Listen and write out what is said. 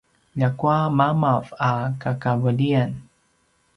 ljakua mamav a kakaveliyan